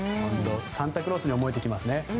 サンタクロースに思えてきます。